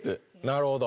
なるほど。